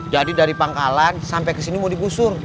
jadi dari pangkalan sampai ke sini mau dibusur